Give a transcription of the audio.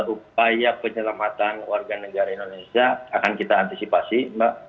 upaya penyelamatan warga negara indonesia akan kita antisipasi mbak